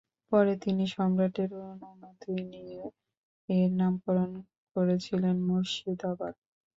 পরে তিনি সম্রাটের অনুমতি নিয়ে এর নামকরণ করেছিলেন মুর্শিদাবাদ।